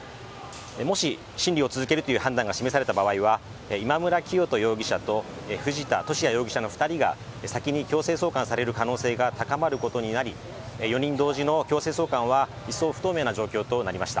もし審理を続けるという判断が示された場合は今村磨人容疑者と藤田聖也容疑者の２人が先に強制送還される可能背が高まることになり４人同時の強制送還は一層不透明な状況となりました。